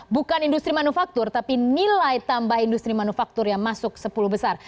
bukan industri manufaktur tapi nilai tambah industri manufaktur yang masuk sepuluh besar